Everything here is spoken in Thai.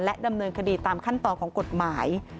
ดำเนินคดีตามขั้นตอนของกฎหมาย